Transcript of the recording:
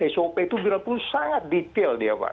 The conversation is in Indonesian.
sop itu berat pun sangat detail dia pak